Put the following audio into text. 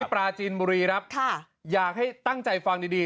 ปราจีนบุรีครับอยากให้ตั้งใจฟังดีดี